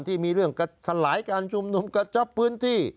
ที่มีเรื่องสลายการชุมนุมกระชับพื้นที่